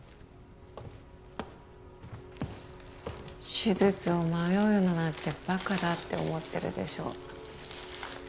手術を迷うだなんてバカだって思ってるでしょう